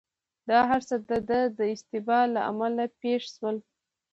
دا هرڅه دده د اشتباه له امله پېښ شول.